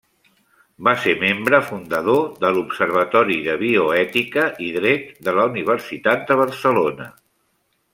Va ser membre fundador de l'Observatori de bioètica i dret de la Universitat de Barcelona.